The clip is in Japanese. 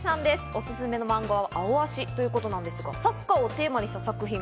おすすめのマンガは『アオアシ』ということですが、サッカーをテーマにした作品。